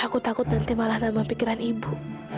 aku takut nanti malah tambah pikiran ibu